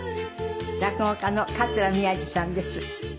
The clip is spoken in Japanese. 落語家の桂宮治さんです。